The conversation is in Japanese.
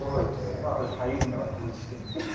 だから私俳優部の中で孤立してるの。